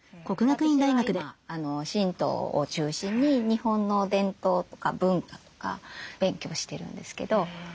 私は今神道を中心に日本の伝統とか文化とか勉強してるんですけど。